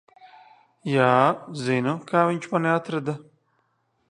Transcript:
Jā, zinu, kā viņš mani atrada.